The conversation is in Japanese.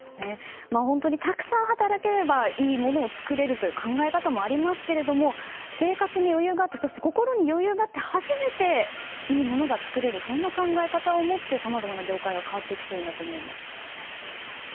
本当にたくさん働ければいいものを作るという考え方もありますけど生活に余裕があって心に余裕があって初めて、いいものが作れるそんな考え方を持ってさまざまな業界が変わっていくといいと思います。